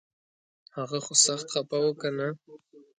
هغه خو سخت خفه و کنه